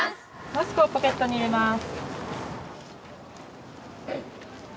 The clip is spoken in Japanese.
マスクをポケットに入れます。